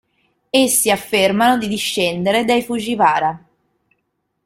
Essi affermano di discendere dai Fujiwara.